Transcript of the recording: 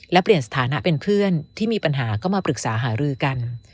และเปลี่ยนสถานะเป็นเพื่อนที่มีปัญหาก็มาปรึกษาหารือกัน